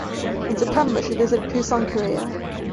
In September, she visited Pusan, Korea.